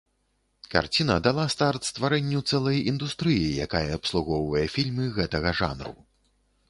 Карціна дала старт стварэнню цэлай індустрыі, якая абслугоўвае фільмы гэтага жанру.